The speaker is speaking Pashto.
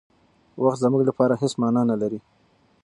وخت زموږ لپاره هېڅ مانا نه لري.